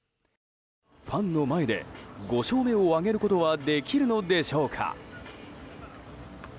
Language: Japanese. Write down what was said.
ファンの前で５勝目を挙げることはできるのでしょうか。